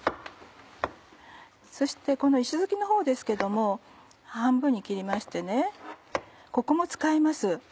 そしてこの石づきのほうですけども半分に切りましてここも使います。